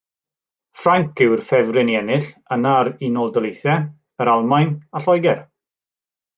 Ffrainc yw'r ffefryn i ennill, yna'r Unol Daleithiau, yr Almaen a Lloegr.